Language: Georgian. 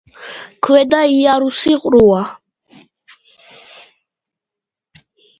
ქვედა იარუსი ყრუა.